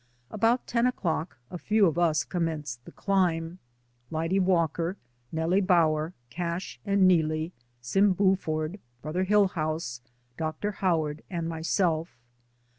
About ten o'clock a few of us commenced the climb. Lyde Walker, Nellie Bower, Cash and Neelie, Sim Buford, Brother Hill house, Dr. Howard and myself.